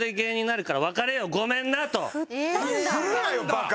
振るなよバカ！